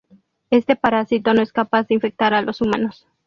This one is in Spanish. Este parásito no es capaz de infectar a los humanos.